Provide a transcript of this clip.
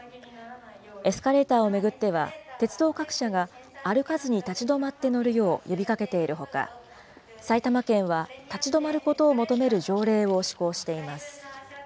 エスカレーターを巡っては、鉄道各社が歩かずに立ち止まって乗るよう、呼びかけているほか、埼玉県は立ち止まることを求める条例を施行しています。